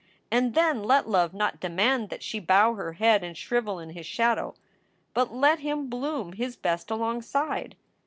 And then let love not demand that she bow her head and shrivel in his shadow; but let him bloom his best alongside.